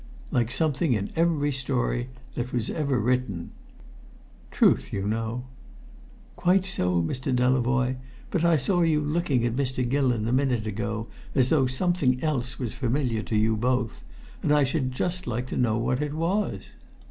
"Like something in every story that was ever written. Truth, you know " "Quite so, Mr. Delavoye! But I saw you looking at Mr. Gillon a minute ago as though something else was familiar to you both. And I should just like to know what it was."